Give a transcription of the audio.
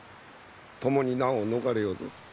共に難を逃れようぞ。